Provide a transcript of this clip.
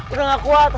udah gak kuat